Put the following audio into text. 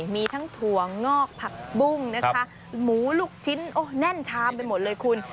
มีทั้งถั่วงอกผักบุ้งนะคะหมูลูกชิ้นแน่นชามไปหมดเลยคุณ